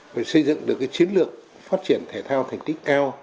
phải xây dựng được chiến lược phát triển thể thao thành tích cao